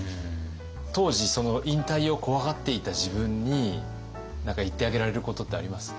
当時引退を怖がっていた自分に何か言ってあげられることってあります？